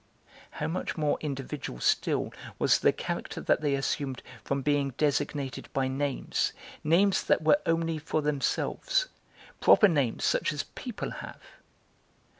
How much more individual still was the character that they assumed from being designated by names, names that were only for themselves, proper names such as people have.